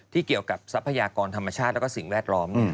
เกี่ยวกับทรัพยากรธรรมชาติและสิ่งแวดล้อม